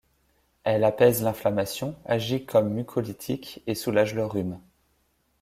Elle apaise l'inflammation, agit comme mucolytique et soulage le rhume.